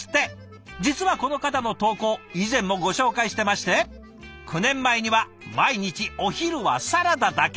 実はこの方の投稿以前もご紹介してまして９年前には毎日お昼はサラダだけ！